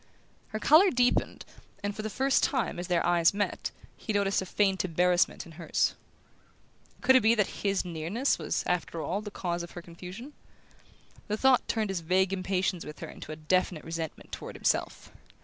Her colour deepened, and for the first time, as their eyes met, he noticed a faint embarrassment in hers. Could it be that his nearness was, after all, the cause of her confusion? The thought turned his vague impatience with her into a definite resentment toward himself.